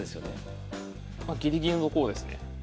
まギリギリの方ですね。